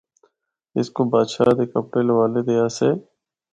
اس کو بادشاہ دے کپڑے لوالے دے آسے۔